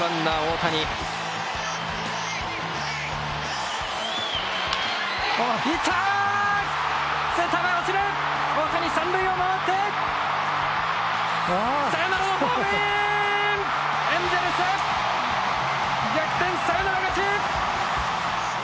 大谷三塁を回ってエンジェルス逆転サヨナラ勝ち！